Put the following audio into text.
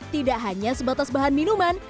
tidak hanya sebatas bahan minuman